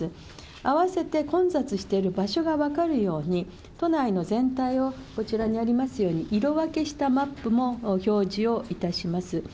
併せて混雑している場所が分かるように、都内の全体をこちらにありますように、色分けしたマップも表示をいたします。